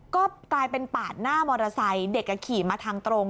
ก็กลายเป็นปาดหน้ามอเตอร์ไซค์เด็กขี่มาทางตรง